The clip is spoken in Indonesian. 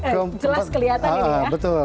jelas kelihatan ini ya